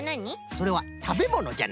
それはたべものじゃな？